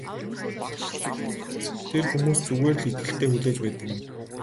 Тэр хүмүүс зүгээр л итгэлтэй хүлээж байдаг юм.